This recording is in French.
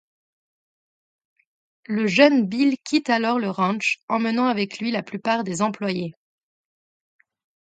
Le jeune Bill quitte alors le ranch, emmenant avec lui la plupart des employés.